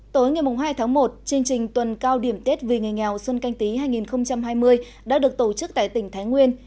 tối ngày hai tháng một chương trình tuần cao điểm tết vì người nghèo xuân canh tí hai nghìn hai mươi đã được tổ chức tại tỉnh thái nguyên